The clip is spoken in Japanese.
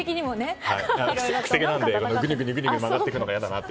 くせ毛なので、グニグニ曲がってくのが嫌だなって。